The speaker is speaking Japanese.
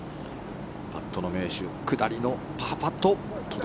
パットの名手下りのパーパット。